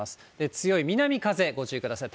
強い南風ご注意ください。